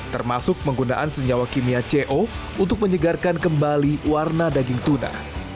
termasuk penggunaan senyawa kimia co untuk menyegarkan kembali warna daging tuna